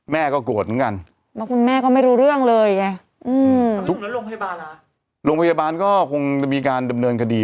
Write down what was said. โกรธเหมือนกันเพราะคุณแม่ก็ไม่รู้เรื่องเลยไงโรงพยาบาลก็คงจะมีการดำเนินคดี